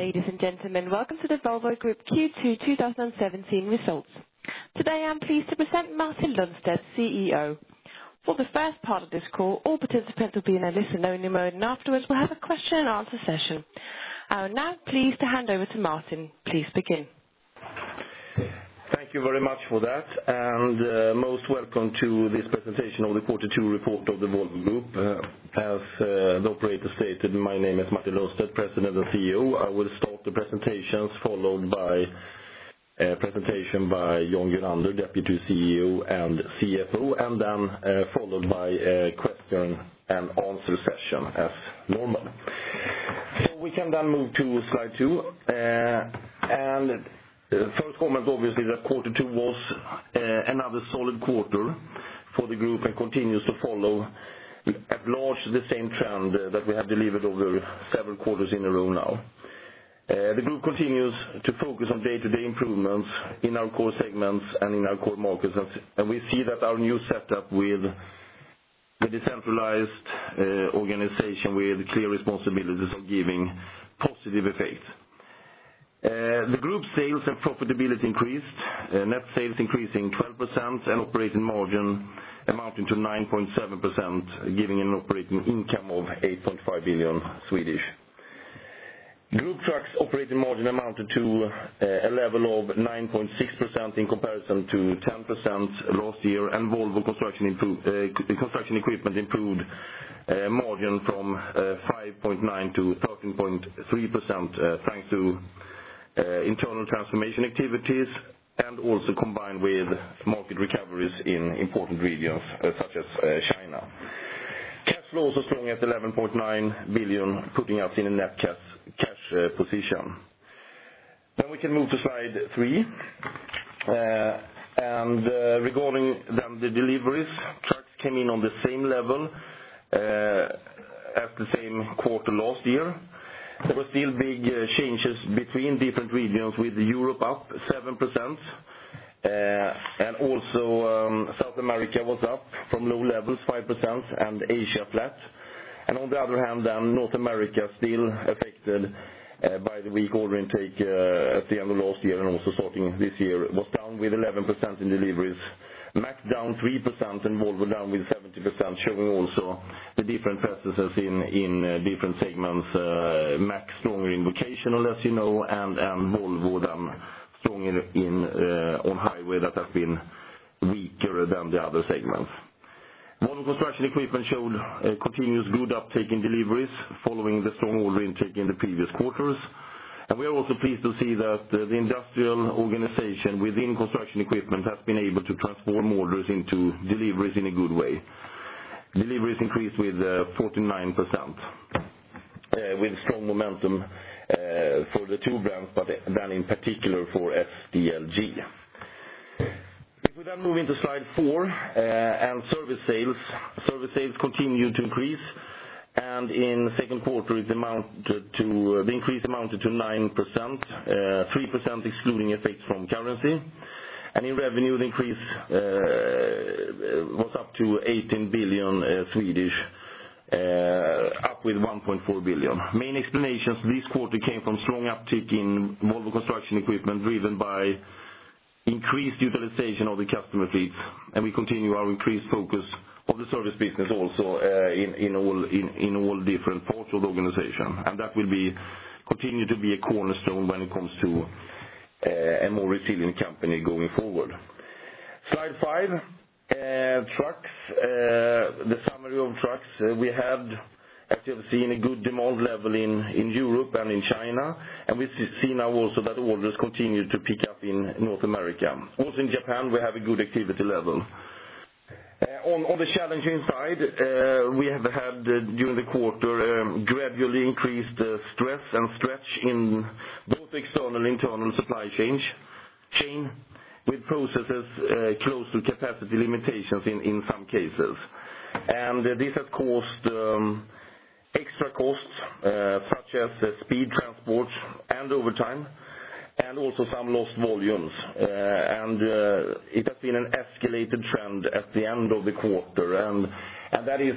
Ladies and gentlemen, welcome to the Volvo Group Q2 2017 results. Today, I'm pleased to present Martin Lundstedt, CEO. For the first part of this call, all participants will be in a listen-only mode. Afterwards, we'll have a question and answer session. I will now pleased to hand over to Martin. Please begin. Thank you very much for that, most welcome to this presentation of the Q2 report of the Volvo Group. As the operator stated, my name is Martin Lundstedt, President and CEO. I will start the presentations, followed by a presentation by Jan Gurander, Deputy CEO and CFO, followed by a question and answer session as normal. We can move to slide two. First comment, obviously, that Q2 was another solid quarter for the group and continues to follow at large the same trend that we have delivered over several quarters in a row now. The group continues to focus on day-to-day improvements in our core segments and in our core markets. We see that our new setup with the decentralized organization, with clear responsibilities are giving positive effect. The group sales and profitability increased. Net sales increasing 12% and operating margin amounting to 9.7%, giving an operating income of 8.5 billion. Group trucks operating margin amounted to a level of 9.6% in comparison to 10% last year. Volvo Construction Equipment improved margin from 5.9% to 13.3% thanks to internal transformation activities and also combined with market recoveries in important regions such as China. Cash flow is strong at 11.9 billion, putting us in a net cash position. We can move to slide three. Regarding the deliveries, trucks came in on the same level as the same quarter last year. There were still big changes between different regions, with Europe up 7%, also South America was up from low levels, 5%, and Asia flat. On the other hand, North America still affected by the weak order intake at the end of last year and also starting this year, was down with 11% in deliveries. Mack down 3% and Volvo down with 17%, showing also the different processes in different segments. Mack stronger in vocational, as you know, Volvo then stronger on highway that has been weaker than the other segments. Volvo Construction Equipment showed a continuous good uptake in deliveries following the strong order intake in the previous quarters. We are also pleased to see that the industrial organization within construction equipment has been able to transform orders into deliveries in a good way. Deliveries increased with 49%, with strong momentum for the two brands, but in particular for SDLG. If we move into slide four and service sales. Service sales continued to increase. In the second quarter, the increase amounted to 9%, 3% excluding effects from currency. In revenue, the increase was up to 18 billion, up with 1.4 billion. Main explanations this quarter came from strong uptick in mobile construction equipment, driven by increased utilization of the customer fleet. We continue our increased focus of the service business also in all different parts of the organization. That will continue to be a cornerstone when it comes to a more resilient company going forward. Slide five. Trucks. The summary of trucks. We have actually seen a good demand level in Europe and in China. We see now also that orders continue to pick up in North America. Also in Japan, we have a good activity level. On the challenging side, we have had, during the quarter, gradually increased stress and stretch in both external and internal supply chain, with processes close to capacity limitations in some cases. This has caused extra costs, such as speed transport and overtime, and also some lost volumes. It has been an escalated trend at the end of the quarter. That is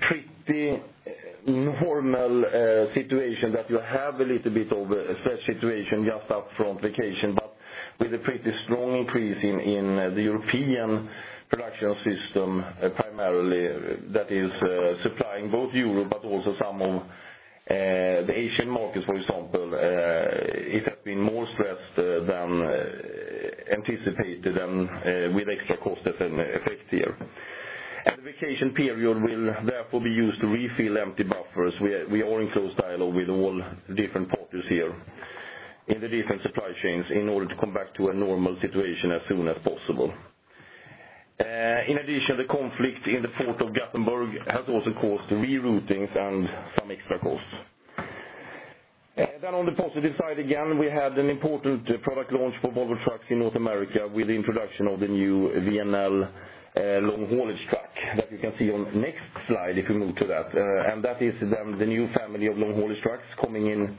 pretty normal situation that you have a little bit of such situation just up from vacation, but with a pretty strong increase in the European production system, primarily that is supplying both Europe but also some of the Asian markets, for example. It has been more stressed than anticipated and with extra cost as an effect here. The vacation period will therefore be used to refill empty buffers. We are in close dialogue with all different parties here in the different supply chains in order to come back to a normal situation as soon as possible. In addition, the conflict in the Port of Gothenburg has also caused reroutings and some extra costs. On the positive side, again, we had an important product launch for Volvo Trucks in North America with the introduction of the new VNL long-haulage truck that you can see on next slide if we move to that. That is then the new family of long-haulage trucks coming in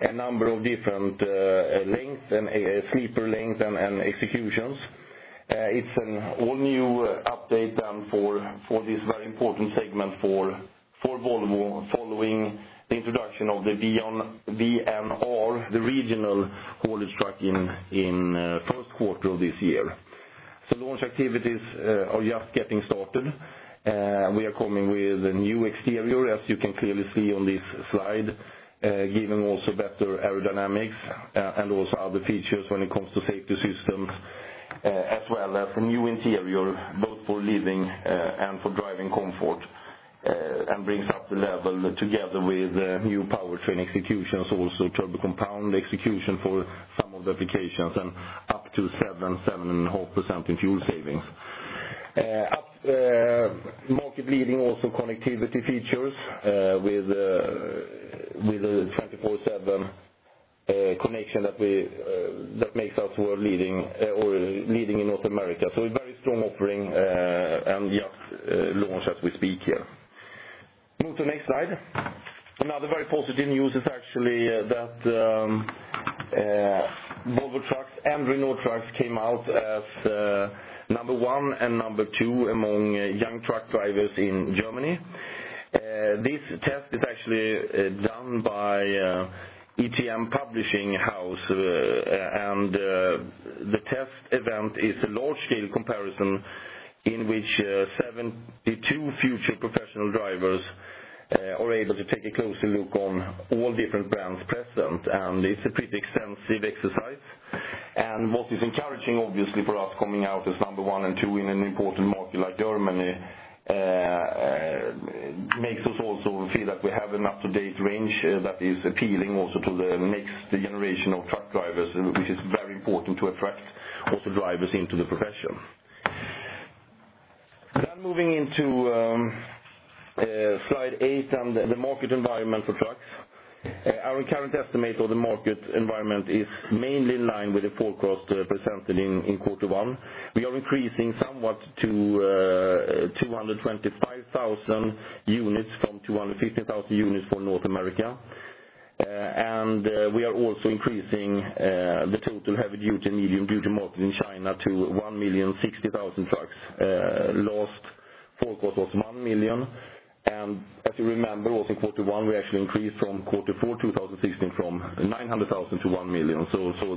a number of different lengths and sleeper lengths and executions. It's an all new update done for this very important segment for Volvo following the introduction of the VNR, the regional haulage truck in first quarter of this year. Launch activities are just getting started. We are coming with a new exterior, as you can clearly see on this slide, giving also better aerodynamics, and also other features when it comes to safety systems, as well as a new interior, both for living and for driving comfort, and brings up the level together with new powertrain executions, also turbo compound execution for some of the applications, up to 7.7% in fuel savings. Market leading also connectivity features, with a 24/7 connection that makes us leading in North America. A very strong offering, and just launched as we speak here. Move to next slide. Another very positive news is actually that Volvo Trucks and Renault Trucks came out as number 1 and number 2 among young truck drivers in Germany. This test is actually done by ETM Publishing. The test event is a large scale comparison in which 72 future professional drivers are able to take a closer look on all different brands present. It's a pretty extensive exercise. What is encouraging, obviously, for us coming out as number 1 and 2 in an important market like Germany, makes us also feel that we have an up-to-date range that is appealing also to the next generation of truck drivers, which is very important to attract also drivers into the profession. Moving into slide eight and the market environment for trucks. Our current estimate of the market environment is mainly in line with the forecast presented in quarter one. We are increasing somewhat to 225,000 units from 250,000 units for North America. We are also increasing the total heavy-duty, medium-duty market in China to 1,060,000 trucks. Last forecast was 1 million. As you remember, also in quarter one, we actually increased from quarter four 2016 from 900,000 to 1 million.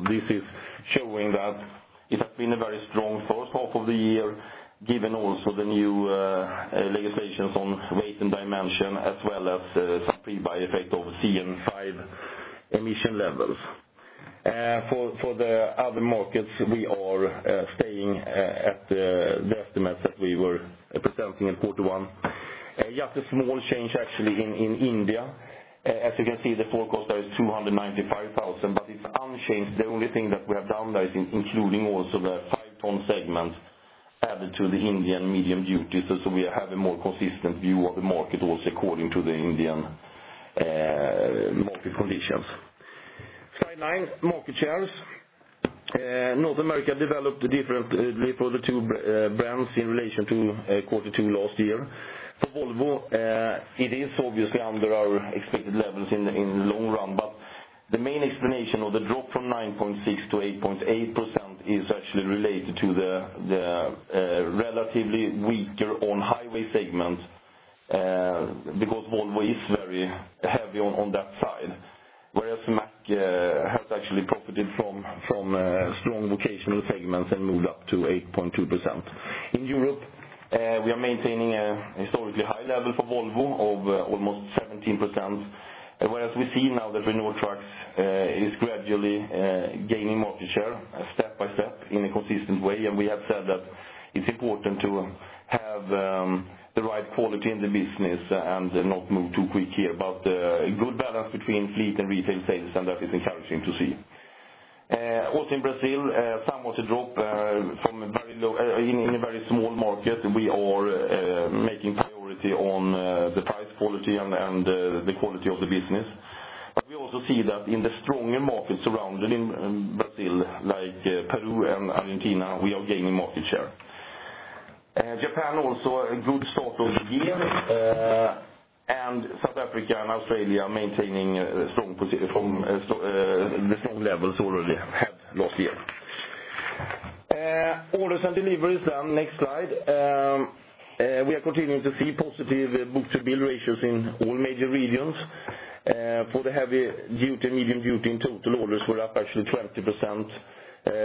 This is showing that it has been a very strong first half of the year, given also the new legislations on weight and dimension, as well as some pre-buy effect of China 5 emission levels. For the other markets, we are staying at the estimates that we were presenting in quarter one. Just a small change, actually, in India. As you can see, the forecast there is 295,000, but it's unchanged. The only thing that we have done there is including also the 5 ton segment added to the Indian medium duty, so we have a more consistent view of the market also according to the Indian market conditions. Slide nine, market shares. North America developed differently for the two brands in relation to quarter two last year. For Volvo, it is obviously under our expected levels in the long run, but the main explanation of the drop from 9.6% to 8.8% is actually related to the relatively weaker on highway segment, because Volvo is very heavy on that side. Whereas Mack has actually profited from strong vocational segments and moved up to 8.2%. In Europe, we are maintaining a historically high level for Volvo of almost 17%, whereas we see now that Renault Trucks is gradually gaining market share step by step in a consistent way. We have said that it's important to have the right quality in the business and not move too quick here. A good balance between fleet and retail sales, and that is encouraging to see. Also in Brazil, somewhat a drop in a very small market. We are making priority on the price quality and the quality of the business. We also see that in the stronger markets surrounding Brazil, like Peru and Argentina, we are gaining market share. Japan also a good start of the year, and South Africa and Australia maintaining the strong levels already had last year. Orders and deliveries, next slide. We are continuing to see positive book-to-bill ratios in all major regions. For the heavy-duty, medium-duty in total, orders were up actually 20%,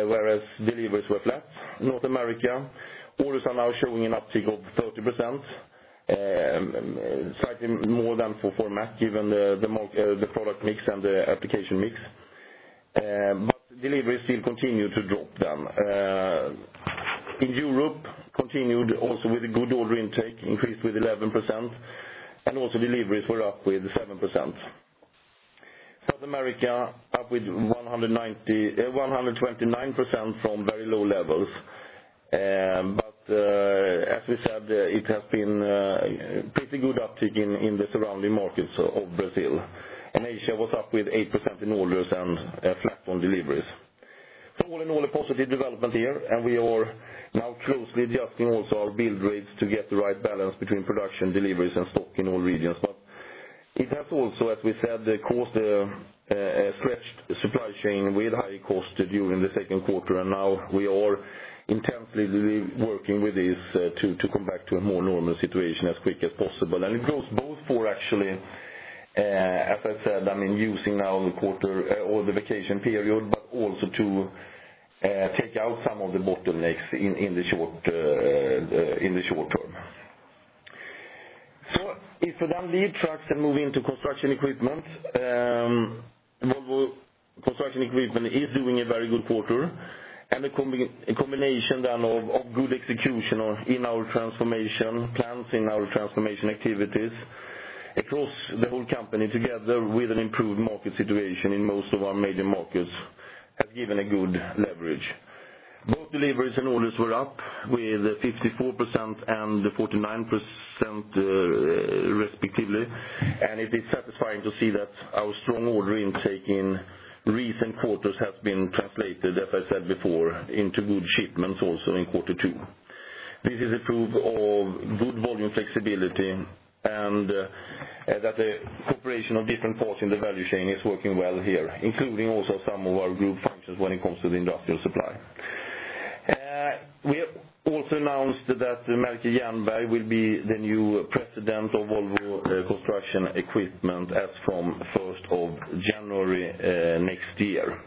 whereas deliveries were flat. North America, orders are now showing an uptick of 30%, slightly more than for Mack, given the product mix and the application mix. Deliveries still continue to drop down. In Europe, continued also with a good order intake, increased with 11%, and also deliveries were up with 7%. South America up with 129% from very low levels. As we said, it has been pretty good uptick in the surrounding markets of Brazil. Asia was up with 8% in orders and flat on deliveries. All in all, a positive development here. We are now closely adjusting also our build rates to get the right balance between production, deliveries, and stock in all regions. It has also, as we said, stretched the supply chain with high cost during the second quarter. Now we are intensely working with this to come back to a more normal situation as quickly as possible. It goes both for actually, as I said, using now the quarter or the vacation period, but also to take out some of the bottlenecks in the short term. If we then leave trucks and move into Construction Equipment. Volvo Construction Equipment is doing a very good quarter and a combination then of good execution in our transformation plans, in our transformation activities across the whole company, together with an improved market situation in most of our major markets, has given a good leverage. Both deliveries and orders were up with 54% and 49%, respectively. It is satisfying to see that our strong order intake in recent quarters has been translated, as I said before, into good shipments also in quarter two. This is a proof of good volume flexibility and that the cooperation of different parts in the value chain is working well here, including also some of our group functions when it comes to the industrial supply. We have also announced that Melker Jernberg will be the new president of Volvo Construction Equipment as from 1st of January next year.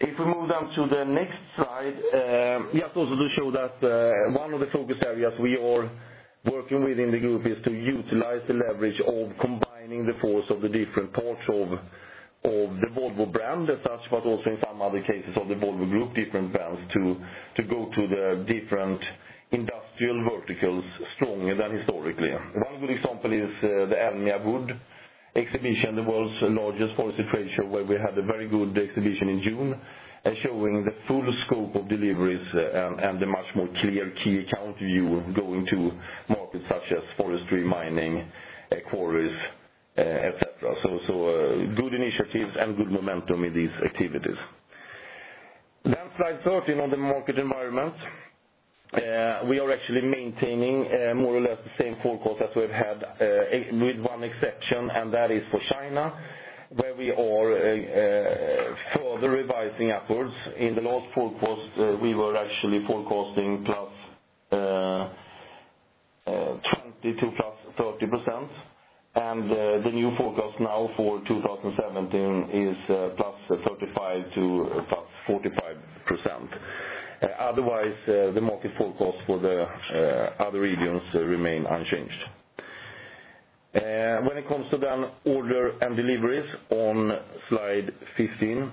If we move on to the next slide. Yes, also to show that one of the focus areas we are working with in the group is to utilize the leverage of combining the force of the different parts of the Volvo brand as such, but also in some other cases of the Volvo Group, different brands, to go to the different industrial verticals stronger than historically. One good example is the Elmia Wood exhibition, the world's largest forestry trade show, where we had a very good exhibition in June, showing the full scope of deliveries and a much more clear key account view going to markets such as forestry, mining, quarries, et cetera. Good initiatives and good momentum in these activities. Slide 13 on the market environment. We are actually maintaining more or less the same forecast as we've had, with one exception, and that is for China, where we are further revising upwards. In the last forecast, we were actually forecasting +20%-+30%, and the new forecast now for 2017 is +35%-+45%. Otherwise, the market forecast for the other regions remain unchanged. When it comes to the order and deliveries on slide 15.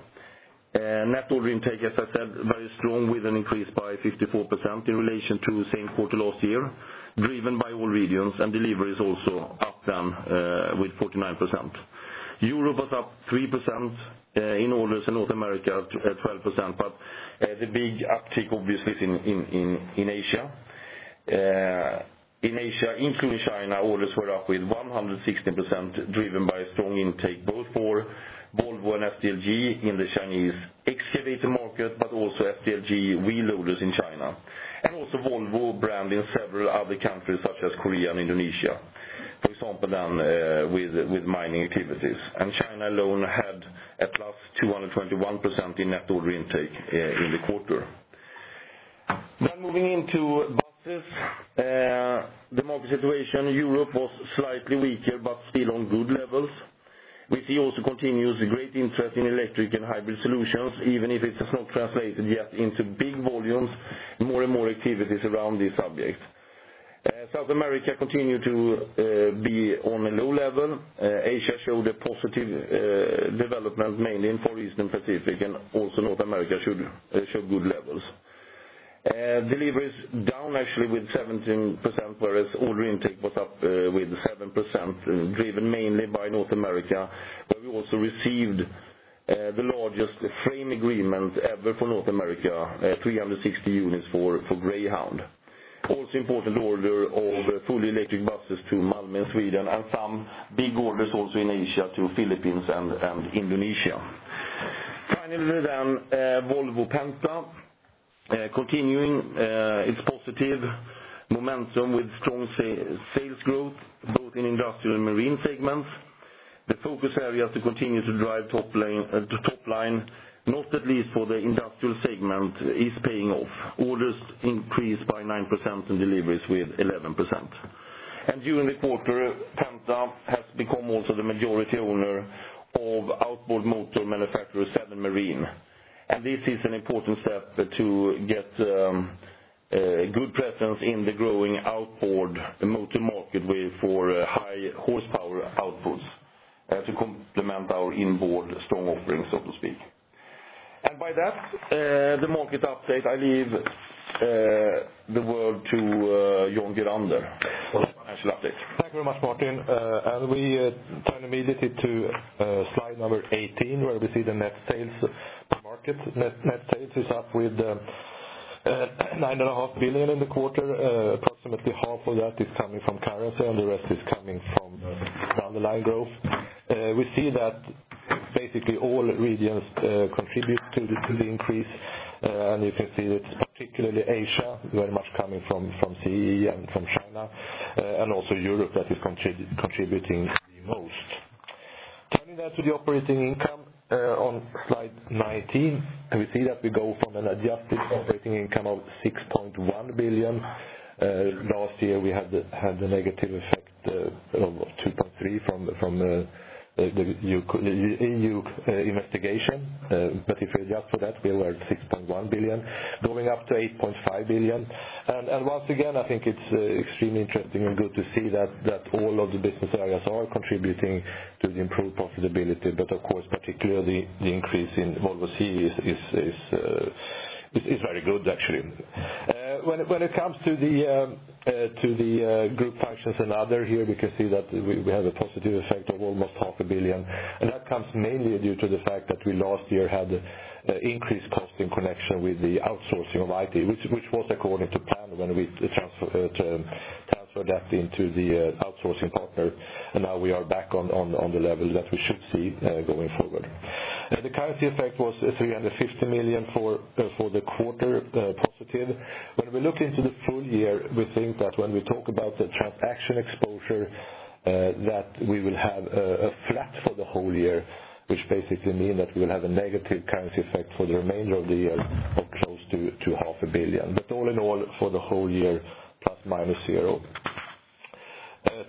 Net order intake, as I said, very strong with an increase by 54% in relation to the same quarter last year, driven by all regions and deliveries also up then with 49%. Europe was up 3% in orders, North America at 12%. The big uptake obviously is in Asia. In Asia, including China, orders were up with 160%, driven by strong intake both for Volvo and SDLG in the Chinese excavator market, but also SDLG wheel loaders in China. Also Volvo brand in several other countries such as Korea and Indonesia, for example, with mining activities. China alone had a plus 221% in net order intake in the quarter. Moving into buses. The market situation in Europe was slightly weaker but still on good levels. We see also continuous great interest in electric and hybrid solutions, even if it has not translated yet into big volumes, more and more activities around this subject. South America continued to be on a low level. Asia showed a positive development mainly in Far East and Pacific, and also North America showed good levels. Deliveries down actually with 17%, whereas order intake was up with 7%, driven mainly by North America, where we also received the largest frame agreement ever for North America, 360 units for Greyhound. Also important order of fully electric buses to Malmö in Sweden, and some big orders also in Asia to Philippines and Indonesia. Finally, Volvo Penta continuing its positive momentum with strong sales growth both in industrial and marine segments. The focus area to continue to drive top line, not at least for the industrial segment, is paying off. Orders increased by 9% and deliveries with 11%. During the quarter, Penta has become also the majority owner of outboard motor manufacturer Seven Marine. This is an important step to get good presence in the growing outboard motor market for high horsepower outputs to complement our inboard strong offering, so to speak. By that, the market update, I leave the word to Jan Gurander for financial update. Thank you very much, Martin. We turn immediately to slide number 18, where we see the net sales market. Net sales is up with 9.5 billion in the quarter. Approximately half of that is coming from currency and the rest is coming from the underlying growth. We see that Basically all regions contribute to the increase. You can see that particularly Asia, very much coming from CE and from China, also Europe that is contributing the most. Turning now to the operating income on slide 19, we see that we go from an adjusted operating income of 6.1 billion. Last year we had the negative effect of 2.3 billion from the EU investigation. If we adjust for that, we were at 6.1 billion, going up to 8.5 billion. Once again, I think it's extremely interesting and good to see that all of the business areas are contributing to the improved profitability. Of course, particularly the increase in Volvo CE is very good, actually. When it comes to the group functions and other here, we can see that we have a positive effect of almost half a billion. That comes mainly due to the fact that we last year had increased cost in connection with the outsourcing of IT, which was according to plan when we transferred that into the outsourcing partner, and now we are back on the level that we should see going forward. The currency effect was 350 million for the quarter positive. When we look into the full year, we think that when we talk about the transaction exposure, that we will have a flat for the whole year, which basically mean that we will have a negative currency effect for the remainder of the year of close to half a billion. All in all, for the whole year, plus minus zero.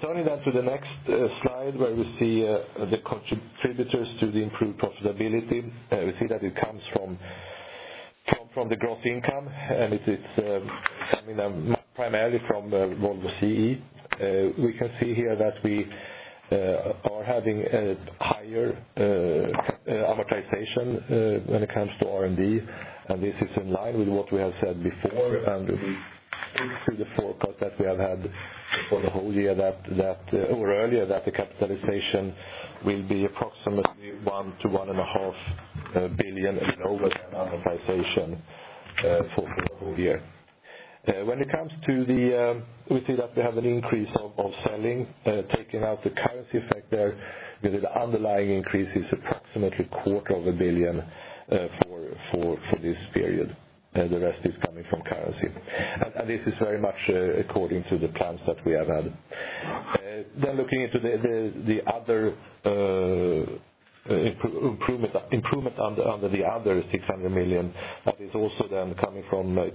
Turning now to the next slide where we see the contributors to the improved profitability. We see that it comes from the growth income, it's coming primarily from Volvo CE. We can see here that we are having a higher amortization when it comes to R&D, this is in line with what we have said before, we stick to the forecast that we have had for the whole year that or earlier, that the capitalization will be approximately 1 billion-1.5 billion and over that amortization for the whole year. We see that we have an increase of selling, taking out the currency effect there with an underlying increase is approximately quarter of a billion for this period. The rest is coming from currency. This is very much according to the plans that we have had. Looking into the improvement under the other 600 million, that is also then coming from IT,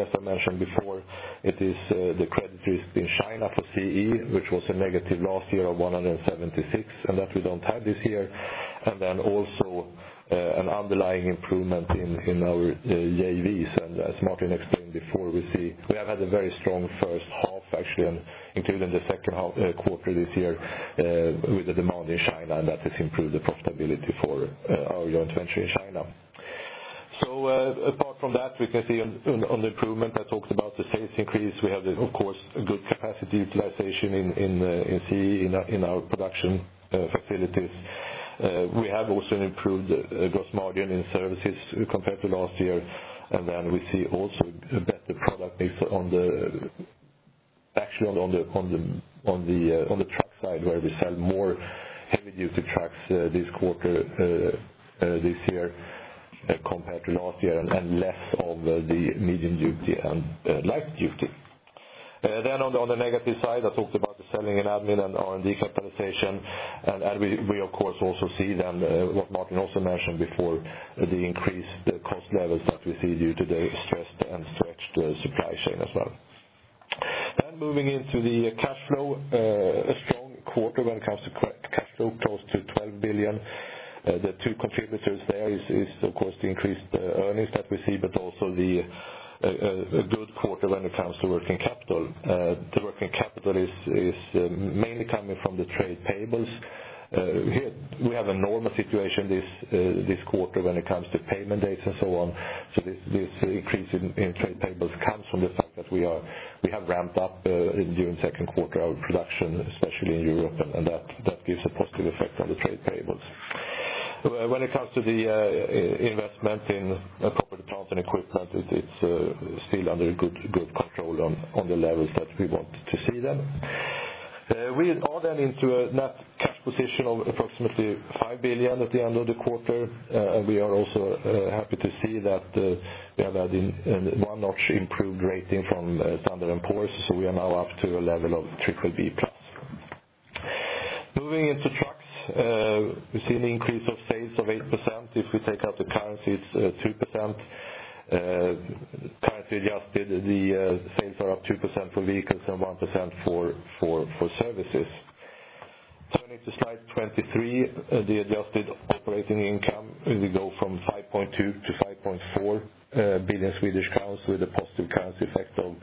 as I mentioned before. It is the credits in China for CE, which was a negative last year of 176, that we don't have this year. Then also an underlying improvement in our JVs. As Martin explained before, we have had a very strong first half, actually, including the second quarter this year with the demand in China, that has improved the profitability for our joint venture in China. Apart from that, we can see on the improvement I talked about, the sales increase, we have, of course, a good capacity utilization in CE in our production facilities. We have also improved gross margin in services compared to last year, then we see also a better product mix actually on the truck side where we sell more heavy-duty trucks this year compared to last year, less of the medium-duty and light-duty. On the negative side, I talked about the SG&A and R&D capitalization. We of course also see then, what Martin also mentioned before, the increased cost levels that we see due to the stressed and stretched supply chain as well. Moving into the cash flow. A strong quarter when it comes to cash flow, close to 12 billion. The two contributors there is of course the increased earnings that we see, also the good quarter when it comes to working capital. The working capital is mainly coming from the trade payables. We have a normal situation this quarter when it comes to payment dates and so on. This increase in trade payables comes from the fact that we have ramped up during second quarter our production, especially in Europe, and that gives a positive effect on the trade payables. When it comes to the investment in property, plant, and equipment, it's still under good control on the levels that we want to see them. We are then into a net cash position of approximately 5 billion at the end of the quarter. We are also happy to see that we have had one notch improved rating from Standard & Poor's. We are now up to a level of BBB+. Moving into trucks. We see an increase of sales of 8%. If we take out the currencies, 2%. Currency adjusted, the sales are up 2% for vehicles and 1% for services. Turning to slide 23, the adjusted operating income, we go from 5.2 billion to 5.4 billion Swedish crowns with a positive currency effect of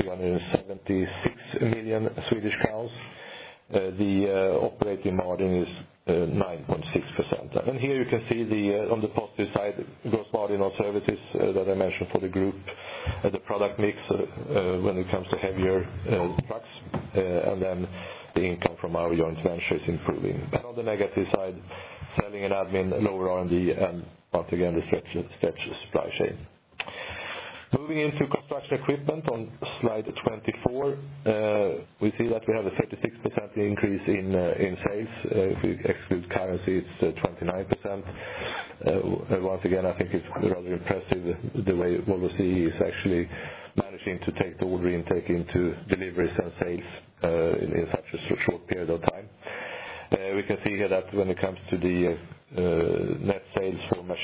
276 million Swedish crowns. The operating margin is 9.6%. Here you can see on the positive side, gross margin on services that I mentioned for the group, the product mix when it comes to heavier trucks, the income from our joint venture is improving. On the negative side, SG&A, lower R&D, and once again, the stretched supply chain. Moving into construction equipment on slide 24, we see that we have a 36% increase in sales. If we exclude currency, it's 29%. Once again, I think it's rather impressive the way Volvo CE is actually managing to take the order intake into deliveries and sales in such a short period of time. We can see here that when it comes to the net sales for machines,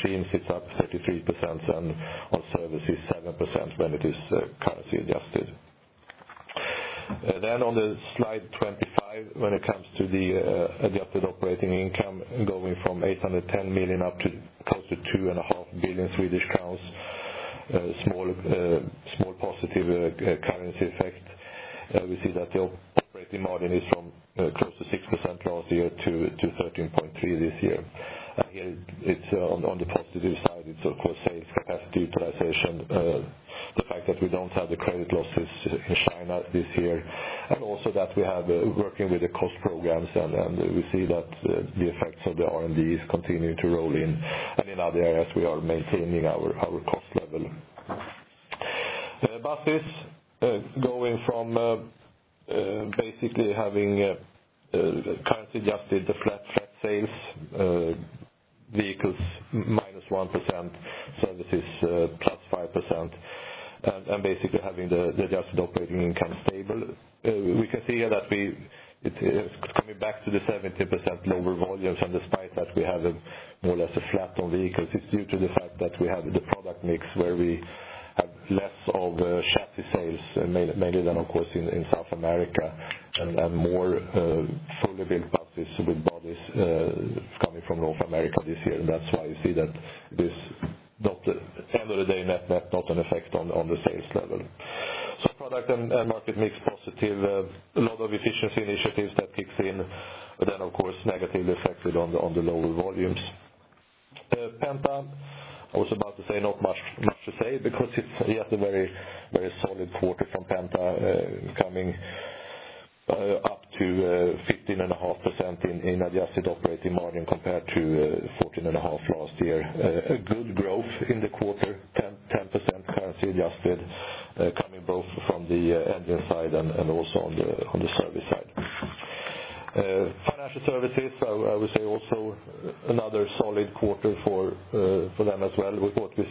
it's up 33% and on services 7% when it is currency adjusted. On slide 25, when it comes to the adjusted operating income going from 810 million up to close to 2.5 billion Swedish crowns, small positive currency effect. We see that the operating margin is from close to 6% last year to 13.3% this year. Again, it's on the positive side. It's of course sales capacity utilization. The fact that we don't have the credit losses in China this year, also that we are working with the cost programs, we see that the effects of the R&D is continuing to roll in. In other areas, we are maintaining our cost level. Buses, going from basically having currency adjusted flat sales, vehicles -1%, services +5%, basically having the adjusted operating income stable. We can see here that it is coming back to the 17% lower volumes, and despite that we have more or less a flat on vehicles. It's due to the fact that we have the product mix where we have less of chassis sales, mainly than, of course, in South America, and more fully built buses with bodies coming from North America this year. That's why you see that at the end of the day, net not an effect on the sales level. Product and market mix positive, a lot of efficiency initiatives that kicks in. Of course, negative effect on the lower volumes. Penta, I was about to say, not much to say because it's yet a very solid quarter from Penta, coming up to 15.5% in adjusted operating margin compared to 14.5% last year. A good growth in the quarter, 10% currency adjusted, coming both from the engine side and also on the service side. Financial services, I would say also another solid quarter for them as well. What we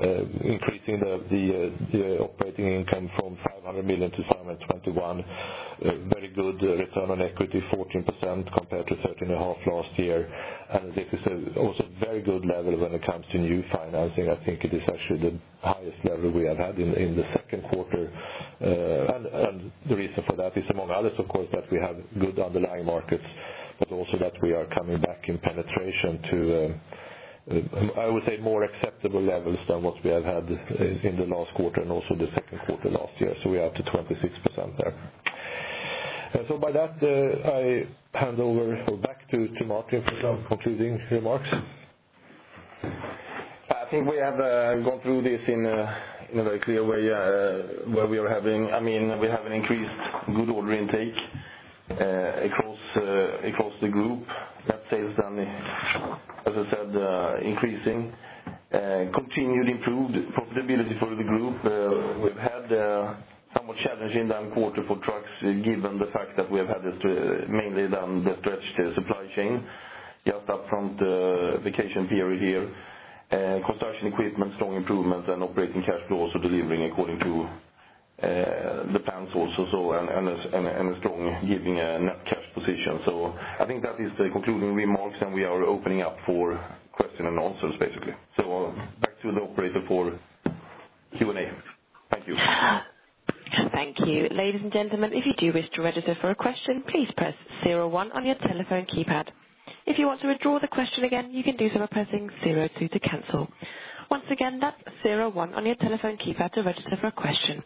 see is that increasing the operating income from 500 million to 521 million. Very good return on equity, 14% compared to 13.5% last year. I think it's also a very good level when it comes to new financing. I think it is actually the highest level we have had in the second quarter. The reason for that is among others, of course, that we have good underlying markets, but also that we are coming back in penetration to, I would say, more acceptable levels than what we have had in the last quarter and also the second quarter last year. We are up to 26% there. With that, I hand over back to Martin for some concluding remarks. I think we have gone through this in a very clear way, where we have an increased good order intake across the group. Net sales down, as I said, increasing. Continually improved profitability for the group. We've had a somewhat challenging quarter for trucks, given the fact that we have had mainly the stretched supply chain just up from the vacation period here. Construction equipment, strong improvement, operating cash flow also delivering according to the plans also, a strong giving net cash position. I think that is the concluding remarks, we are opening up for question and answers, basically. Back to the operator for Q&A. Thank you. Thank you. Ladies and gentlemen, if you do wish to register for a question, please press 01 on your telephone keypad. If you want to withdraw the question again, you can do so by pressing 02 to cancel. Once again, that's 01 on your telephone keypad to register for a question.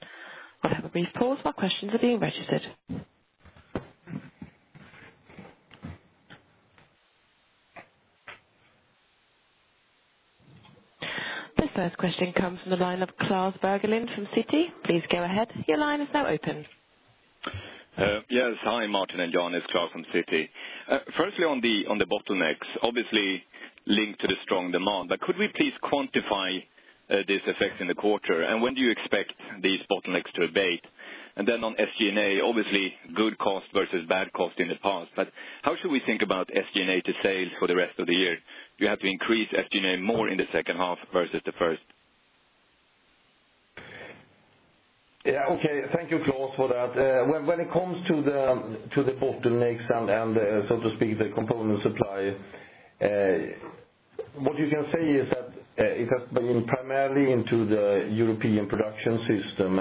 I'll have a brief pause while questions are being registered. This first question comes from the line of Klas Bergelind from Citi. Please go ahead. Your line is now open. Yes. Hi, Martin and Jan, it's Klas from Citi. Firstly, on the bottlenecks, obviously linked to the strong demand, could we please quantify this effect in the quarter, and when do you expect these bottlenecks to abate? Then on SG&A, obviously good cost versus bad cost in the past. How should we think about SG&A to sales for the rest of the year? Do you have to increase SG&A more in the second half versus the first? Okay. Thank you, Klas, for that. When it comes to the bottlenecks and, so to speak, the component supply, what you can say is that it has been primarily into the European production system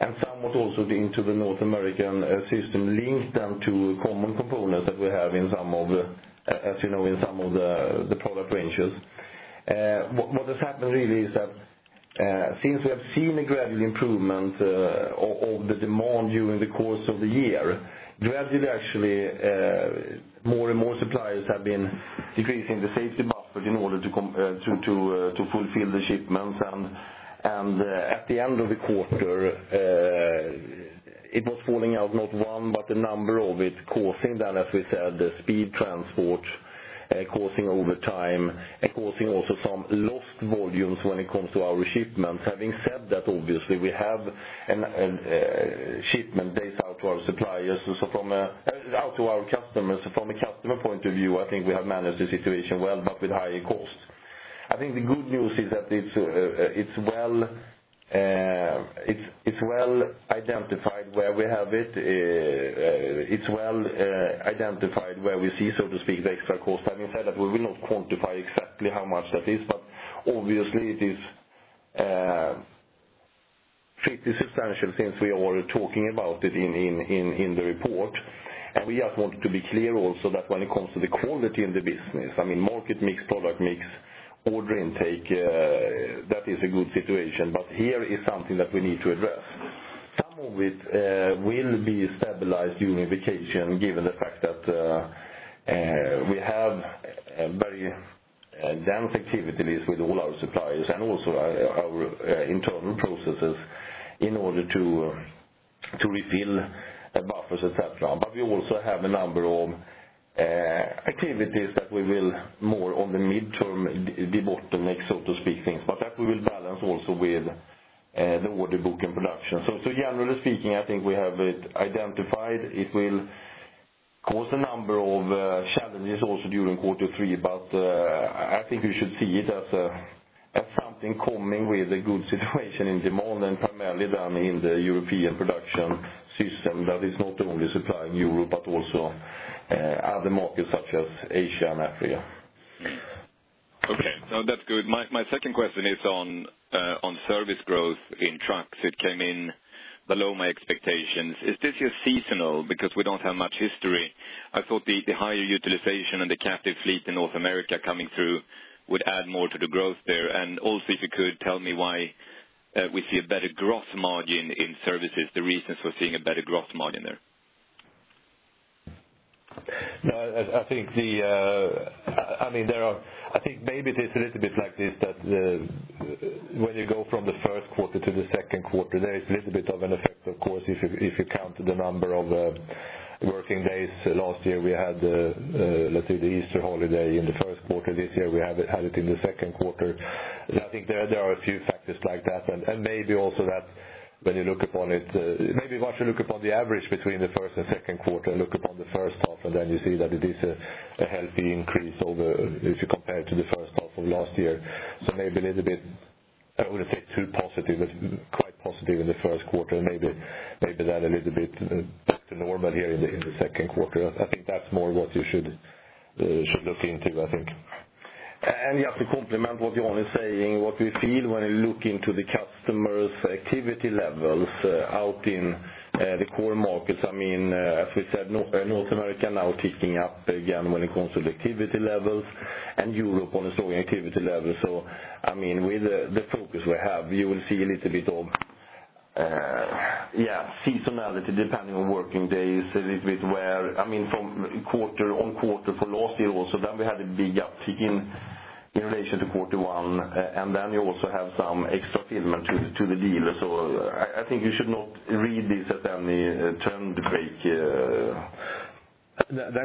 and somewhat also into the North American system, linked down to common components that we have, as you know, in some of the product ranges. What has happened really is that since we have seen a gradual improvement of the demand during the course of the year, gradually, actually, more and more suppliers have been decreasing the safety buffer in order to fulfill the shipments. At the end of the quarter it was falling out not one, but a number of it causing that, as we said, the speed transport causing overtime and causing also some lost volumes when it comes to our shipments. Having said that, obviously, we have a shipment days out to our suppliers. From out to our customers, from a customer point of view, I think we have managed the situation well, but with higher costs. I think the good news is that it's well identified where we have it. It's well identified where we see, so to speak, the extra cost. Having said that, we will not quantify exactly how much that is, obviously it is pretty substantial since we are talking about it in the report. We just wanted to be clear also that when it comes to the quality in the business, market mix, product mix, order intake, that is a good situation. Here is something that we need to address. Some of it will be stabilized during vacation, given the fact that we have a very dense activity list with all our suppliers and also our internal processes in order to refill buffers, et cetera. We also have a number of activities that we will more on the midterm debottleneck, so to speak, things. That we will balance also with the order book and production. Generally speaking, I think we have it identified. It will cause a number of challenges also during Q3, but I think we should see it as something coming with a good situation in demand and primarily then in the European production system that is not only supplying Europe but also other markets such as Asia and Africa. Okay. No, that's good. My second question is on service growth in trucks. It came in below my expectations. Is this just seasonal? Because we don't have much history. I thought the higher utilization and the captive fleet in North America coming through would add more to the growth there. Also, if you could tell me why we see a better gross margin in services, the reasons for seeing a better gross margin there. I think maybe it is a little bit like this, that when you go from the first quarter to the second quarter, there is a little bit of an effect, of course, if you count the number of working days. Last year, we had, let's say, the Easter holiday in the first quarter. This year, we had it in the second quarter. I think there are a few factors like that, and maybe also that when you look upon it, maybe once you look upon the average between the first and second quarter, look upon the first half, and then you see that it is a healthy increase if you compare it to the first half of last year. Maybe I wouldn't say too positive. It's quite positive in the first quarter, maybe then a little bit back to normal here in the second quarter. I think that's more what you should look into, I think. Just to complement what Jan is saying, what we feel when we look into the customers' activity levels out in the core markets, as we said, North America now ticking up again when it comes to the activity levels, and Europe on a strong activity level. With the focus we have, you will see a little bit of seasonality depending on working days, a little bit where. From quarter on quarter for last year also, then we had a big uptick in relation to Q1, then you also have some extra fillment to the dealer. I think you should not read this as any trend break.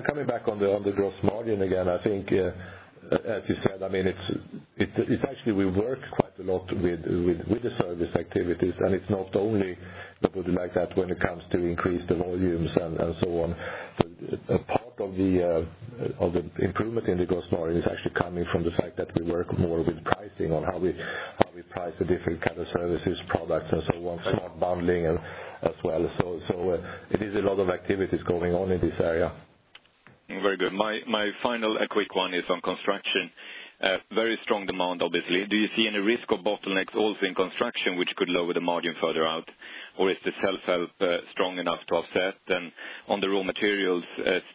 Coming back on the gross margin again, I think, as you said, it's actually we work quite a lot with the service activities, it's not only to put it like that when it comes to increase the volumes and so on. A part of the improvement in the gross margin is actually coming from the fact that we work more with pricing on how we price the different kind of services, products, and so on, smart bundling as well. It is a lot of activities going on in this area. Very good. My final and quick one is on construction. Very strong demand, obviously. Do you see any risk of bottlenecks also in construction, which could lower the margin further out? Or is the self-help strong enough to offset? On the raw materials,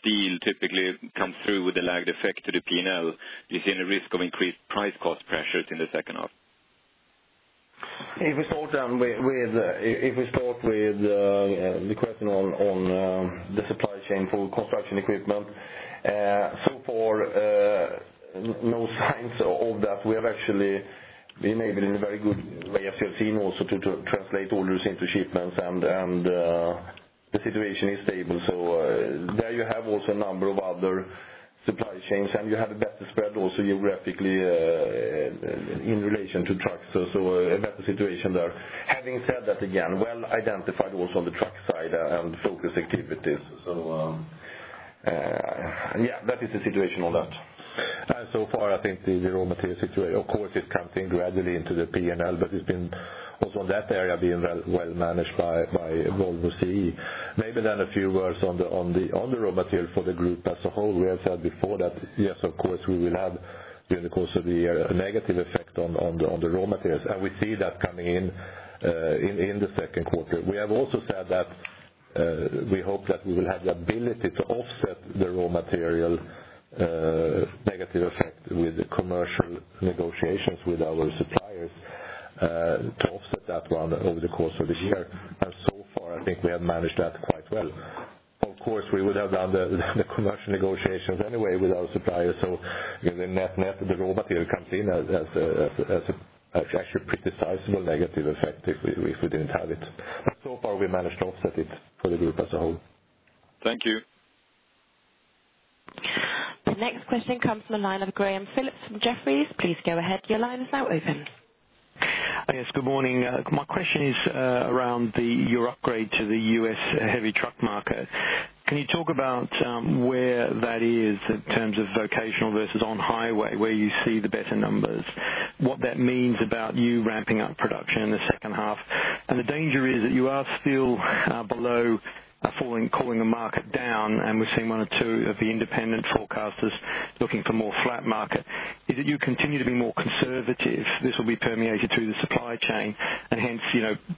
steel typically comes through with a lagged effect to the P&L. Do you see any risk of increased price cost pressures in the second half? If we start with the question on the supply chain for construction equipment. So far, no signs of that. We have actually been able in a very good way, as you have seen also, to translate orders into shipments, the situation is stable. There you have also a number of other supply chains, and you have a better spread also geographically in relation to trucks. A better situation there. Having said that, again, well identified also on the truck side and focus activities. That is the situation on that. So far, I think the raw material situation, of course, it comes in gradually into the P&L, but it's been also in that area being well managed by Volvo CE. Maybe then a few words on the raw material for the group as a whole. We have said before that yes, of course, we will have during the course of the year a negative effect on the raw materials, we see that coming in the second quarter. We have also said that we hope that we will have the ability to offset the raw material negative effect with commercial negotiations with our suppliers to offset that one over the course of the year. So far, I think we have managed that quite well. Of course, we would have done the commercial negotiations anyway with our suppliers. Net, the raw material comes in as actually a pretty sizable negative effect if we didn't have it. So far, we managed to offset it for the group as a whole. Thank you. The next question comes from the line of Graham Phillips from Jefferies. Please go ahead. Your line is now open. Yes, good morning. My question is around your upgrade to the U.S. heavy-truck market. Can you talk about where that is in terms of vocational versus on highway, where you see the better numbers, what that means about you ramping up production in the second half? The danger is that you are still below calling the market down, and we're seeing one or two of the independent forecasters looking for more flat market. Is it you continue to be more conservative, this will be permeated through the supply chain and hence,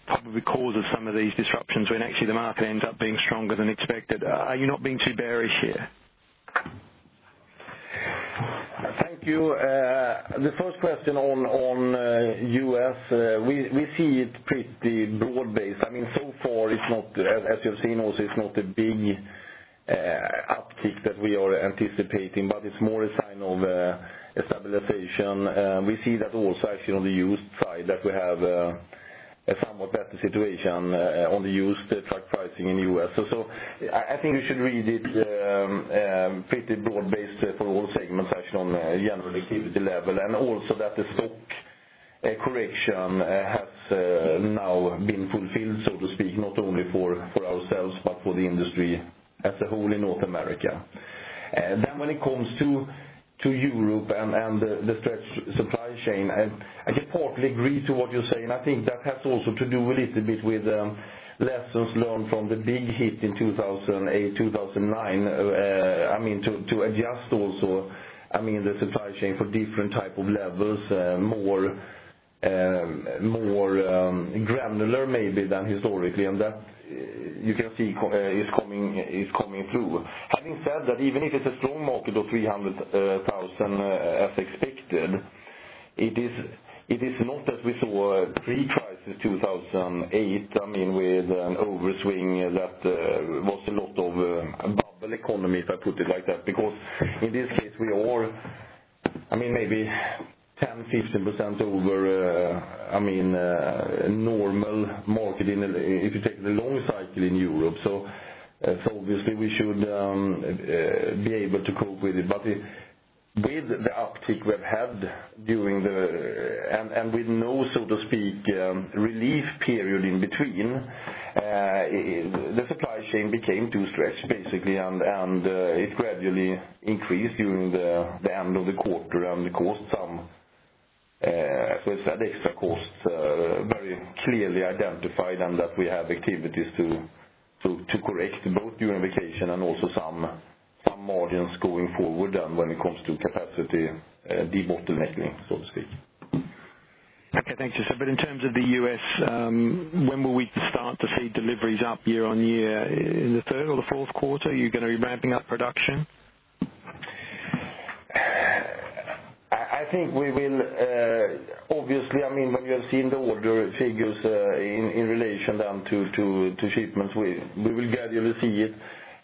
probably cause of some of these disruptions when actually the market ends up being stronger than expected? Are you not being too bearish here? Thank you. The first question on U.S., we see it pretty broad-based. Far, as you've seen also, it's not a big uptick that we are anticipating, but it's more a sign of stabilization. We see that also actually on the used side, that we have a somewhat better situation on the used truck pricing in U.S. I think we should read it pretty broad-based for all segments actually on a general activity level, and also that the stock correction has now been fulfilled, so to speak, not only for ourselves but for the industry as a whole in North America. When it comes to Europe and the stretched supply chain, I can partly agree to what you say, and I think that has also to do a little bit with lessons learned from the big hit in 2008, 2009. To adjust also the supply chain for different type of levels, more granular maybe than historically. That you can see is coming through. Having said that, even if it's a strong market of 300,000 as expected, it is not as we saw a pre-crisis 2008, with an overswing that was a lot of bubble economy, if I put it like that. In this case, we are maybe 10%, 15% over a normal market if you take the long cycle in Europe. Obviously we should be able to cope with it. With the uptick we've had during the With no, so to speak, relief period in between, the supply chain became too stretched basically, and it gradually increased during the end of the quarter and caused some, as I said, extra costs very clearly identified and that we have activities to correct both during vacation and also some margins going forward when it comes to capacity debottlenecking, so to speak. Okay, thank you, sir. In terms of the U.S., when will we start to see deliveries up year-over-year? In the third or the fourth quarter, you're going to be ramping up production? I think we will. Obviously, when you have seen the order figures in relation then to shipments, we will gradually see it.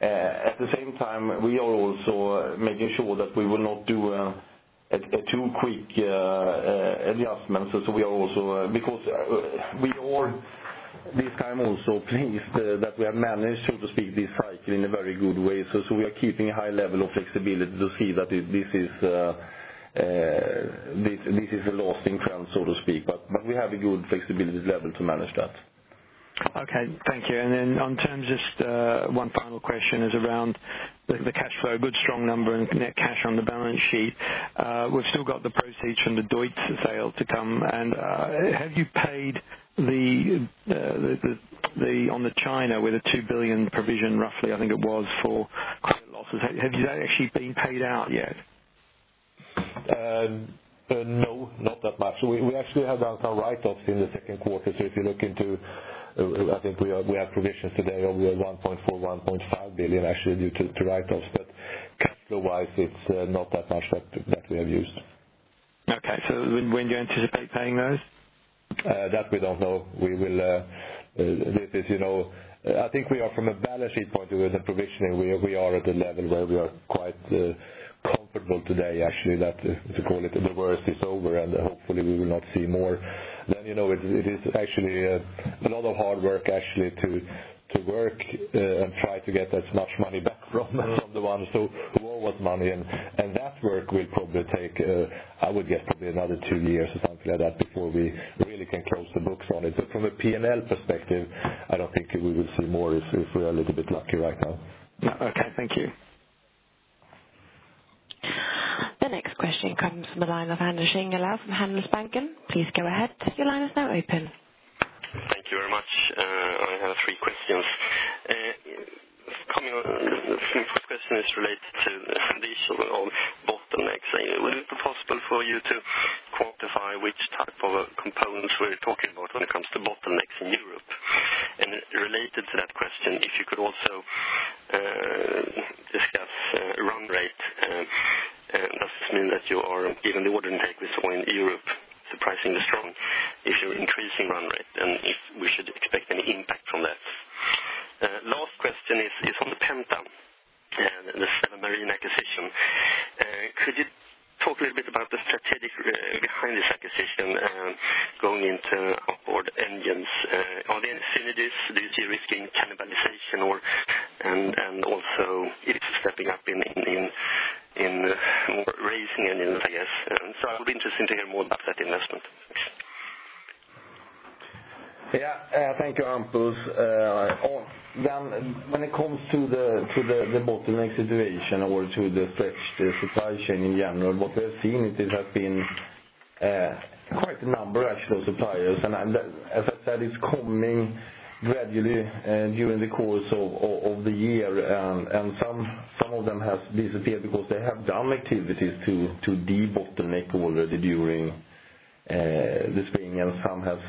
At the same time, we are also making sure that we will not do a too quick adjustment. We are this time also pleased that we have managed, so to speak, this cycle in a very good way. We are keeping a high level of flexibility to see that this is a lasting trend, so to speak. We have a good flexibility level to manage that. Okay, thank you. On terms, just one final question is around the cash flow. Good strong number and net cash on the balance sheet. We've still got the proceeds from the Deutz sale to come. Have you paid on the China, where the 2 billion provision roughly, I think it was for credit losses. Has that actually been paid out yet? No, not that much. We actually have done some write-offs in the second quarter. If you look into, I think we have provisions today of around 1.4 billion-1.5 billion actually due to write-offs. Cash flow wise, it's not that much that we have used. Okay. When do you anticipate paying those? That we don't know. I think we are from a balance sheet point of view as a provision, we are at a level where we are quite comfortable today actually that, to call it, the worst is over and hopefully we will not see more. It is actually a lot of hard work actually to work and try to get as much money back from the ones who owe us money, and that work will probably take, I would guess, probably another 2 years or something like that before we really can close the books on it. From a P&L perspective, I don't think we will see more if we're a little bit lucky right now. Okay, thank you. The next question comes from the line of Hampus Engellau from Handelsbanken. Please go ahead. Your line is now open. Thank you very much. I have three questions. First question is related to the issue of bottleneck. Would it be possible for you to quantify which type of components we're talking about when it comes to bottlenecks in Europe? Related to that question, if you could also given the order intake we saw in Europe surprisingly strong, if you're increasing run rate, and if we should expect any impact from that. Last question is on the Penta and the Seven Marine acquisition. Could you talk a little bit about the strategy behind this acquisition and going into outboard engines? Are there any synergies, do you see a risk in cannibalization, and also it's stepping up in racing engines, I guess. I would be interested to hear more about that investment. Yeah. Thank you, Hampus. When it comes to the bottleneck situation or to the stretched supply chain in general, what we are seeing it has been quite a number, actually, of suppliers. As I said, it's coming gradually during the course of the year. Some of them have disappeared because they have done activities to debottleneck already during the spring, and some have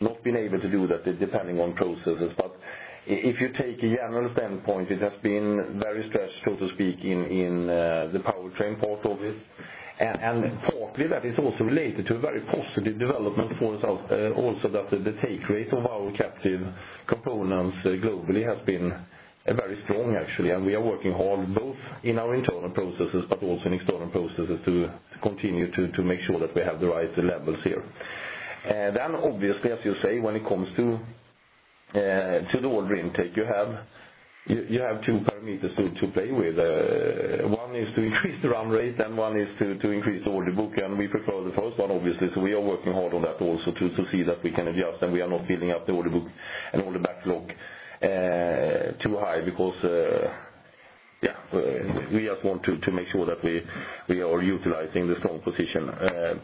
not been able to do that, depending on processes. If you take a general standpoint, it has been very stretched, so to speak, in the powertrain part of it. Partly that is also related to a very positive development for us also that the take rate of our captive components globally has been very strong, actually. We are working hard both in our internal processes but also in external processes to continue to make sure that we have the right levels here. Obviously, as you say, when it comes to the order intake, you have two parameters to play with. One is to increase the run rate, one is to increase the order book, we prefer the first one, obviously. We are working hard on that also to see that we can adjust, we are not filling up the order book and order backlog too high because we just want to make sure that we are utilizing the strong position.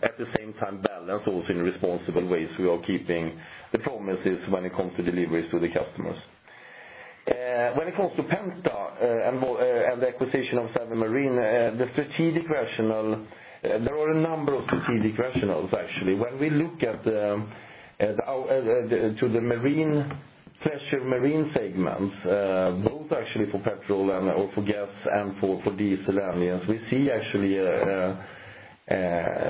At the same time, balance also in responsible ways. We are keeping the promises when it comes to deliveries to the customers. When it comes to Penta, and the acquisition of Seven Marine, there are a number of strategic rationales, actually. When we look to the marine, leisure marine segments, both actually for petrol and/or for gas and for diesel engines, we see actually a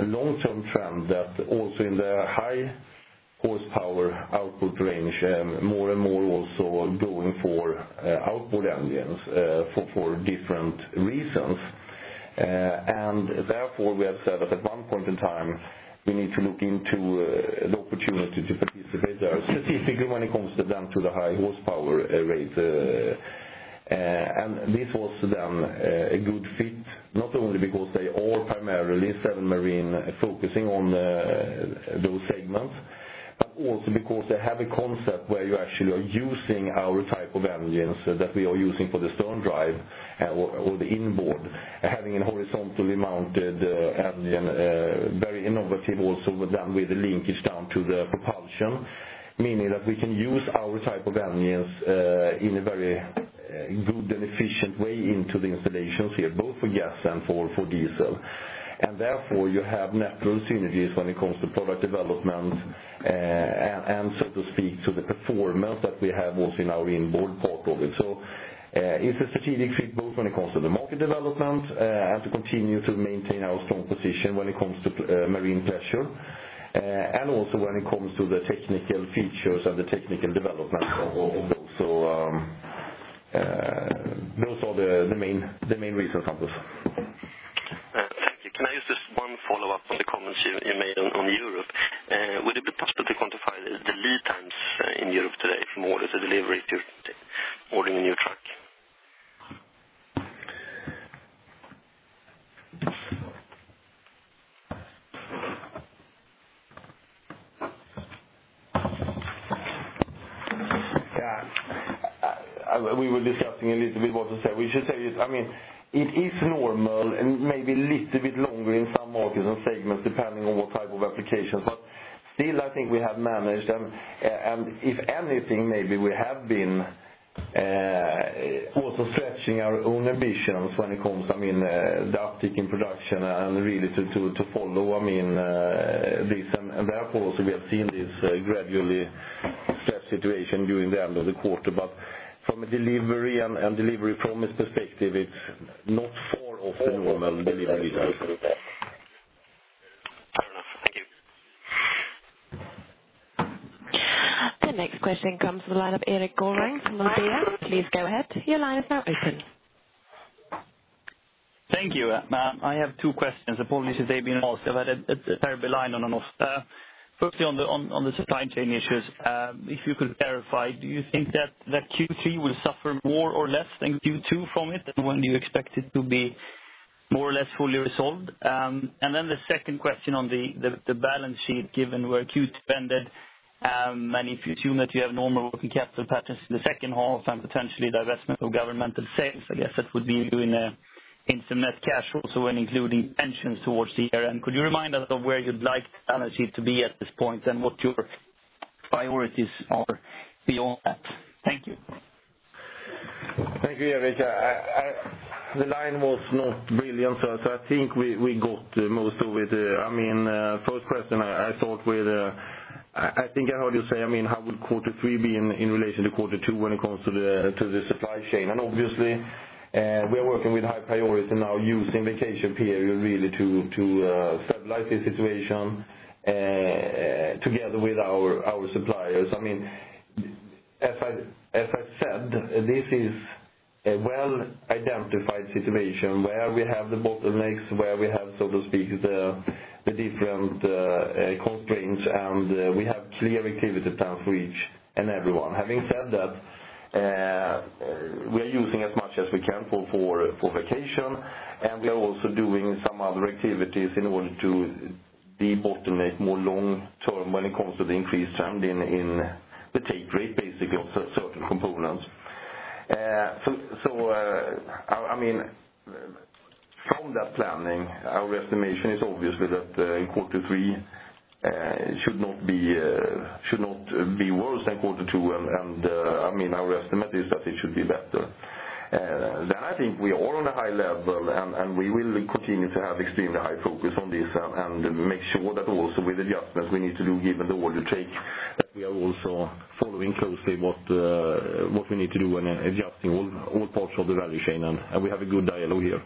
long-term trend that also in the high horsepower output range, more and more also going for outboard engines for different reasons. Therefore, we have said that at one point in time, we need to look into the opportunity to participate there strategically when it comes then to the high horsepower rate. This was then a good fit, not only because they are primarily, Seven Marine, focusing on those segments, but also because they have a concept where you actually are using our type of engines that we are using for the sterndrive or the inboard, having a horizontally mounted engine, very innovative also then with the linkage down to the propulsion, meaning that we can use our type of engines in a very good and efficient way into the installations here, both for gas and for diesel. Therefore, you have natural synergies when it comes to product development, so to speak, to the performance that we have also in our inboard part of it. It's a strategic fit both when it comes to the market development, as we continue to maintain our strong position when it comes to marine leisure, also when it comes to the technical features and the technical development also. Those are the main reasons, Hampus. Thank you. Can I use just one follow-up on the comments you made on Europe? Would it be possible to quantify the lead times in Europe today from orders to delivery to ordering a new truck? Yeah. We were discussing a little bit what to say. We should say this, it is normal and maybe a little bit longer in some markets and segments, depending on what type of applications. Still, I think we have managed, and if anything, maybe we have been also stretching our own ambitions when it comes, the uptick in production and really to follow this. Therefore, also we have seen this gradually stretched situation during the end of the quarter. From a delivery and delivery promise perspective, it's not far off the normal delivery lead time. Fair enough. Thank you. The next question comes from the line of Erik Guldbrandsen from Carnegie. Please go ahead. Your line is now open. Thank you. I have two questions. Apparently, since they've been asked, I've had a terrible line on and off. Firstly, on the supply chain issues, if you could clarify, do you think that Q3 will suffer more or less than Q2 from it? When do you expect it to be more or less fully resolved? The second question on the balance sheet, given where Q2 ended, and if you assume that you have normal working capital patterns for the second half and potentially divestment of Governmental Sales, I guess that would be doing an instant net cash also when including pensions towards the year-end. Could you remind us of where you'd like the balance sheet to be at this point, and what your priorities are beyond that? Thank you. Thank you, Erik. The line was not brilliant, so I think we got most of it. First question, I think I heard you say, how would quarter three be in relation to quarter two when it comes to the supply chain? Obviously, we are working with high priority now using vacation period really to stabilize the situation together with our suppliers. As I said, this is a well-identified situation where we have the bottlenecks, where we have, so to speak, the different constraints, and we have clear activity plans for each and everyone. Having said that, we are using as much as we can for vacation. We are also doing some other activities in order to debottleneck more long-term when it comes to the increase and in the take rate basically of certain components. From that planning, our estimation is obviously that in quarter three, it should not be worse than quarter two. Our estimate is that it should be better. I think we are on a high level. We will continue to have extremely high focus on this and make sure that also with adjustments we need to do given the order take, that we are also following closely what we need to do when adjusting all parts of the value chain, and we have a good dialogue here.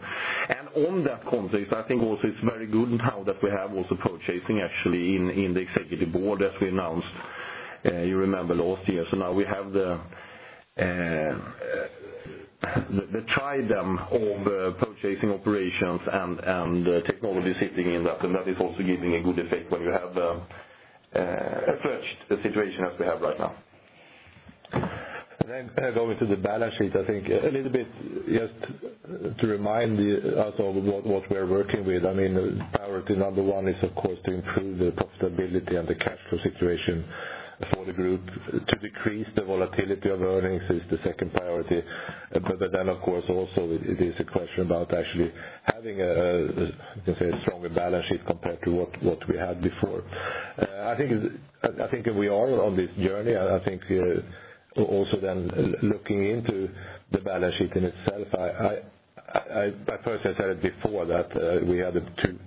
On that context, I think also it's very good now that we have also purchasing actually in the executive board as we announced, you remember last year. Now we have the trident of purchasing operations and technology sitting in that, and that is also giving a good effect when you have a fresh situation as we have right now. Going to the balance sheet, I think a little bit just to remind us of what we're working with. Priority number one is of course to improve the profitability and the cash flow situation for the group. To decrease the volatility of earnings is the second priority. Of course also it is a question about actually having a, you can say, stronger balance sheet compared to what we had before. I think we are on this journey. I think also looking into the balance sheet in itself, I personally said it before that we had a